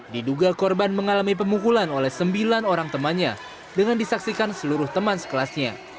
diduga korban mengalami pemukulan oleh sembilan orang temannya dengan disaksikan seluruh teman sekelasnya